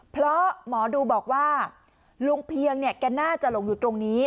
เพราะหมอดูบอกว่าลุงเพียงเนี่ยแกน่าจะหลงอยู่ตรงนี้